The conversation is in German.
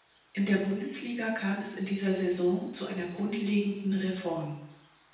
In der Bundesliga kam es in dieser Saison zu einer grundlegenden Reform.